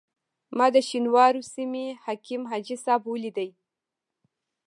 ما د شینوارو سیمې حکیم حاجي صاحب ولیدی.